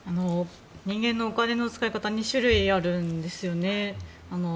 人間のお金の使い方は２種類あるんですよね。